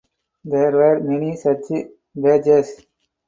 There were many such badges.